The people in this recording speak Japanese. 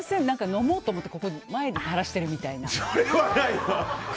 飲もうと思って前で垂らしてるみたいな。